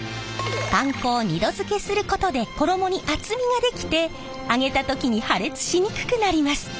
パン粉を２度づけすることで衣に厚みが出来て揚げた時に破裂しにくくなります。